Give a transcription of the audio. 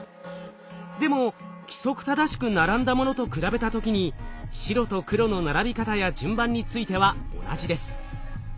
でも規則正しく並んだものと比べた時に白と黒の並び方や順番については同じです。